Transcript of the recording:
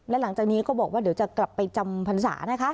และหลังจากนี้ก็บอกว่าเดี๋ยวจะกลับไปจำพรรษานะคะ